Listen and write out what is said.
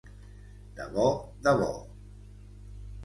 De bo de bo.